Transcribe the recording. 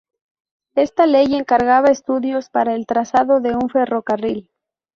Esta ley encargaba estudios para el trazado de un ferrocarril.